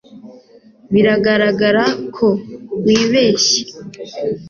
biragaragara ko wibeshye